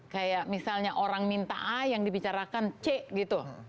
kayak misalnya orang minta a yang dibicarakan c gitu